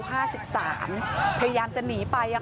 ประเภทเมียอายุ๕๓พยายามจะหนีไป